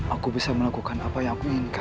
aku bisa melakukan apa yang aku inginkan